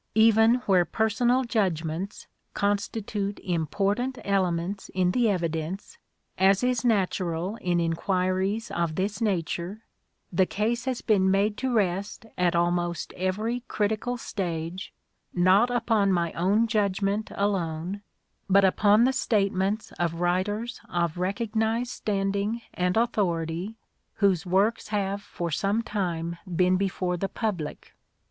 Even where personal judgments constitute important elements in the evidence, as is natural in enquiries of this nature, the case has been made to rest at almost every critical stage, not upon my own judgment alone, but upon the statements of writers of recognized standing and authority whose works have for some time been before the public.